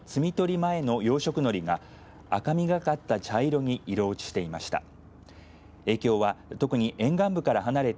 前の養殖のりが赤みがかった茶色に色落ちしていました。